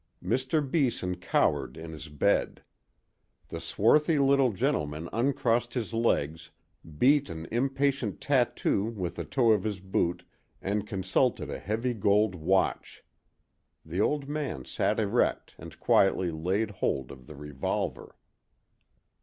Mr. Beeson cowered in his bed. The swarthy little gentleman uncrossed his legs, beat an impatient tattoo with the toe of his boot and consulted a heavy gold watch. The old man sat erect and quietly laid hold of the revolver.